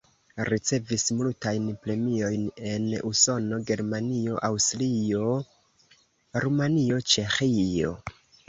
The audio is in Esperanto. Ricevis multajn premiojn en Usono, Germanio, Aŭstrio, Rumanio, Ĉeĥio.